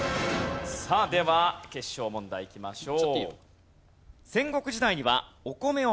さあでは決勝問題いきましょう。